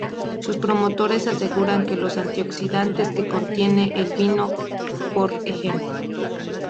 Sus promotores aseguran que los antioxidantes que contiene el vino, p. ej.